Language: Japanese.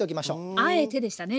あえてでしたね